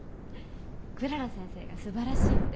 クララ先生がすばらしいので。